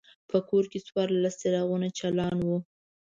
په کور کې څوارلس څراغونه چالان وو.